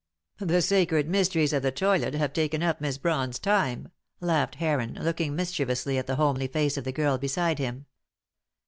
"The sacred mysteries of the toilet have taken up Miss Brawn's time," laughed Heron, looking mischievously at the homely face of the girl beside him.